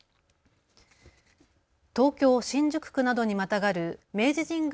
東京新宿区などにまたがる明治神宮